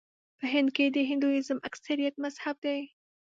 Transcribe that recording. په هند کې د هندويزم اکثریت مذهب دی.